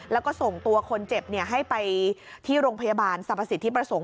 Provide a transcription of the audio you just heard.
แล้วก็ส่งตัวคนเจ็บให้ไปที่โรงพยาบาลสรรพสิทธิประสงค์